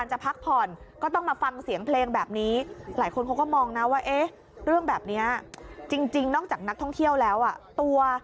หลายคนว่าเรื่องแบบนี้จริงนอกจากนักท่องเที่ยวแล้ว